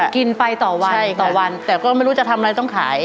กินไปต่อวันต่อวันแต่ก็ไม่รู้จะทำอะไรต้องขาย